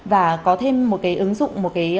và có thêm một cái ứng dụng một cái